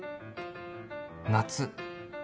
夏。